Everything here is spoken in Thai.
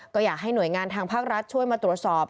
ก็อยากให้หน่วยงานทางภาครัฐช่วยมาตรวจสอบ